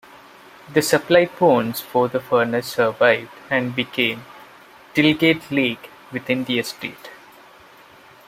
The supply ponds for the furnace survived and became "Tilgate Lake" within the estate.